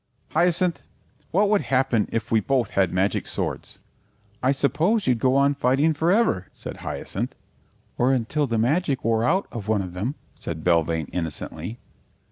"Hyacinth, what would happen if we both had magic swords?" "I suppose you'd go on fighting for ever," said Hyacinth. "Or until the magic wore out of one of them," said Belvane innocently.